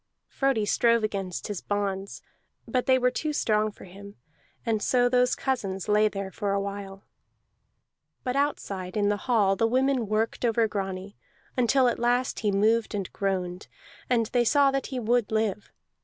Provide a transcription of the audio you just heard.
Frodi strove against his bonds, but they were too strong for him; and so those cousins lay there for a while. But outside in the hall the women worked over Grani until at last he moved and groaned, and they saw that he would live.